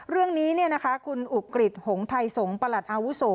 เรื่องนี้เนี่ยนะคะคุณอุกฤษหงษ์ไทยสงประหลัดอาวุโส